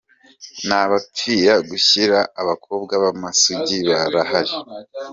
Nta bapfira gushira abakobwa b’amasugi barahari.